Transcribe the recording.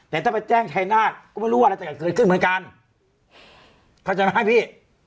แต่ถ้าไปแจ้งชายนาฏก็ไม่รู้ว่าอะไรจะเกิดขึ้นเหมือนกันเข้าใจไหมพี่